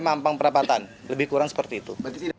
mampang perapatan lebih kurang seperti itu